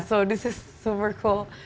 jadi ini super keren